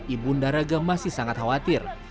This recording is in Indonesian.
ibu ndaraga masih sangat khawatir